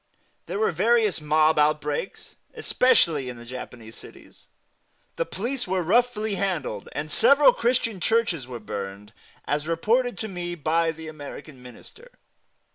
There were various mob outbreaks, especially in the Japanese cities; the police were roughly handled, and several Christian churches were burned, as reported to me by the American Minister.